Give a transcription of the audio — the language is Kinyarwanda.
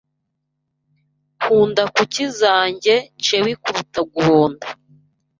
Nkunda kuki zanjye chewy kuruta guhonda.